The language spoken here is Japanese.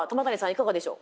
いかがでしょう。